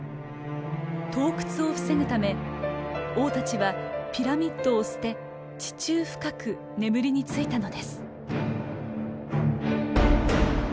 盗掘を防ぐため王たちはピラミッドを捨て地中深く眠りについたのです。